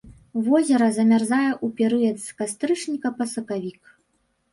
Возера замярзае ў перыяд з кастрычніка па сакавік.